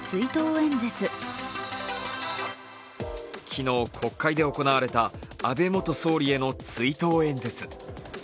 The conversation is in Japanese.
昨日国会で行われた安倍元総理への追悼演説。